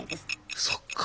そっか。